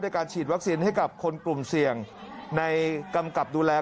การฉีดวัคซีนให้กับคนกลุ่มเสี่ยงในกำกับดูแล